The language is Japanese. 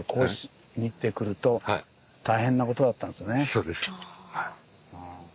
そうです。